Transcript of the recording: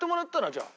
じゃあ。